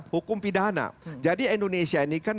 hukum pidana jadi indonesia ini kan